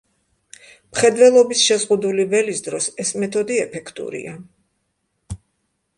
მხედველობის შეზღუდული ველის დროს ეს მეთოდი ეფექტურია.